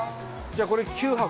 じゃあ、これ９箱。